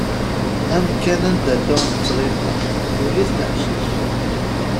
Amkan anda tuɣ nettɣima yuli-t leḥcic.